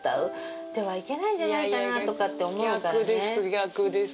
逆です